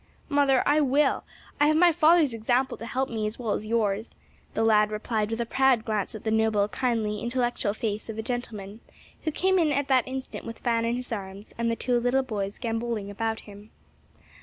"Mother, I will; I have my father's example to help me as well as yours," the lad replied with a proud glance at the noble, kindly, intellectual face of a gentleman who came in at that instant with Fan in his arms and the two little boys gamboling about him.